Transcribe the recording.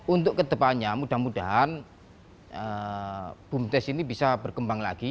untuk kedepannya mudah mudahan bumdes ini bisa berkembang lagi